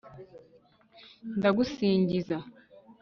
ndagusingiza